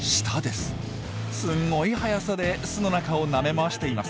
すごい速さで巣の中をなめ回しています。